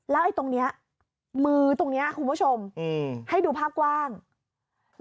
แล้วตรงนี้มือตรงนี้คุณผู้ชมให้ดูภาพกว้าง